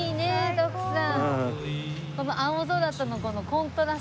徳さん。